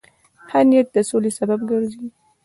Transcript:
ښه نیت د سولې سبب ګرځي.